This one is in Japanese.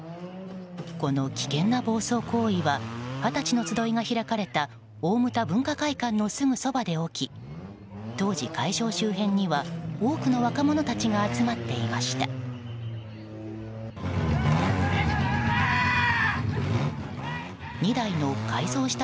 この危険な暴走行為ははたちの集いが開かれた大牟田文化会館のすぐそばで起き当時、会場周辺には多くの若者たちが集まっていました。